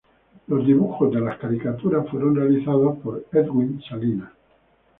Los dibujos de las caricaturas fueron realizadas por Edwin Salinas.